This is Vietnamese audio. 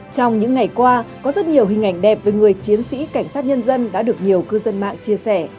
trong những ngày qua có rất nhiều hình ảnh đẹp về người chiến sĩ cảnh sát nhân dân đã được nhiều cư dân mạng chia sẻ